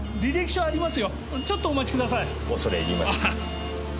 恐れ入ります。